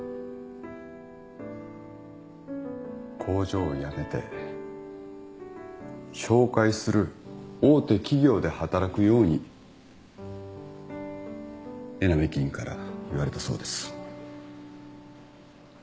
工場を辞めて紹介する大手企業で働くように江波議員から言われたそうです。